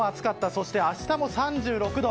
そして明日も３６度。